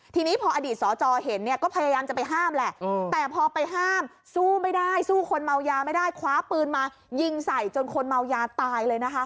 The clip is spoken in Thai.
ทีนี้พออดีตสจเห็นเนี่ยก็พยายามจะไปห้ามแหละแต่พอไปห้ามสู้ไม่ได้สู้คนเมายาไม่ได้คว้าปืนมายิงใส่จนคนเมายาตายเลยนะคะ